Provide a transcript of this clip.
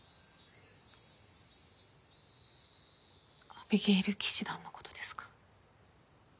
アビゲイル騎士団の事ですか？